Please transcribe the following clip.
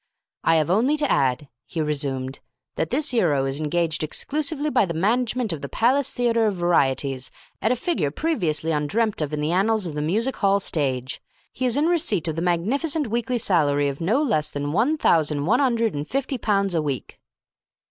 "I 'ave only to add," he resumed, "that this 'ero is engaged exclusively by the management of the Palace Theatre of Varieties, at a figure previously undreamed of in the annals of the music hall stage. He is in receipt of the magnificent weekly salary of no less than one thousand one 'undred and fifty pounds a week."